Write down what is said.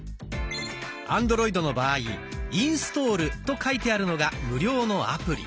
アンドロイドの場合「インストール」と書いてあるのが無料のアプリ。